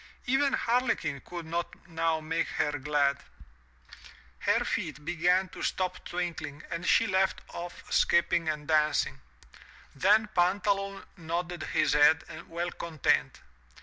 Even Harlequin could not now make her glad. Her 360 THROUGH FAIRY HALLS feet began to stop twinkling and she left off skipping and dancing. Then Pantaloon nodded his head, well content.